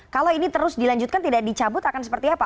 kalau ini terus dilanjutkan tidak dicabut akan seperti apa